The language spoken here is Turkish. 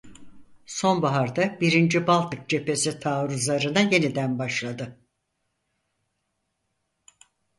Sonbaharda birinci Baltık Cephesi taarruzlarına yeniden başladı.